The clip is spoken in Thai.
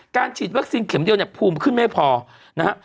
ฉีดวัคซีนเข็มเดียวเนี่ยภูมิขึ้นไม่พอนะฮะ